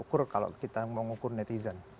tolak ukur kalau kita mengukur netizen